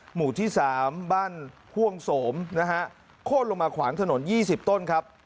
หมู่ที่๓บ้านห่วงโสมนะฮะโค้นลงมาขวางถนน๒๐ต้นครับ